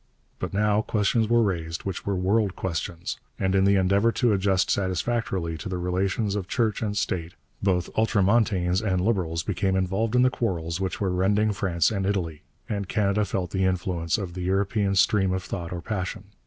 But now questions were raised which were world questions, and in the endeavour to adjust satisfactorily the relations of church and state both ultramontanes and liberals became involved in the quarrels which were rending France and Italy, and Canada felt the influence of the European stream of thought or passion.